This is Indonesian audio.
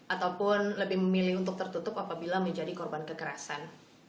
ataupun lebih memilih untuk tertutup apabila menjadi korban kekerasan